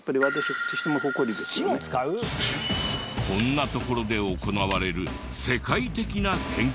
こんなところで行われる世界的な研究とは？